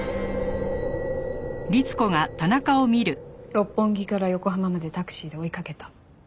六本木から横浜までタクシーで追いかけた。